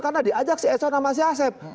karena diajak si eson sama si asep